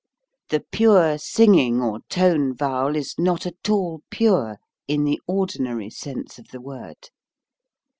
The pure singing or tone vowel is not at all pure in the ordinary sense of the word.